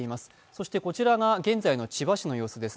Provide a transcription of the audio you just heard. そしてこちら、現在の千葉市の様子です。